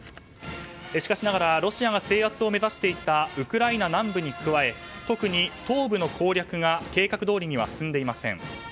しかし、ロシアが制圧を目指していたウクライナ南部に加え特に東部の攻略が計画どおりには進んでいません。